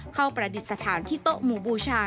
ประดิษฐานที่โต๊ะหมู่บูชา